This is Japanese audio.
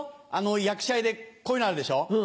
役者絵でこういうのあるでしょ。